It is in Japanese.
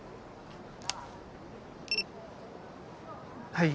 はい。